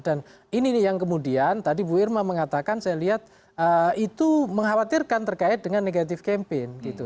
dan ini yang kemudian tadi bu irma mengatakan saya lihat itu mengkhawatirkan terkait dengan negatif kempen